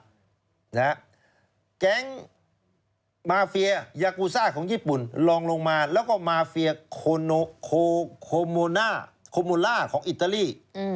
แก๊งมาเฟียยากูซ่าของญี่ปุ่นลองลงมาแล้วก็มาเฟียโคโมน่าโคโมล่าของอิตาลี